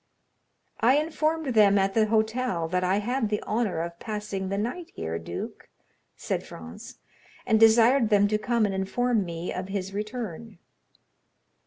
"I informed them at the hotel that I had the honor of passing the night here, duke," said Franz, "and desired them to come and inform me of his return."